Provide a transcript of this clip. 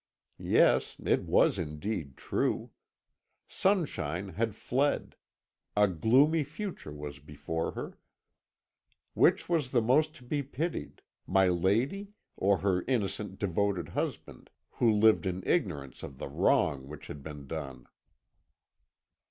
Yes, it was indeed true. Sunshine had fled; a gloomy future was before her. Which was the most to be pitied my lady, or her innocent, devoted husband, who lived in ignorance of the wrong which had been done?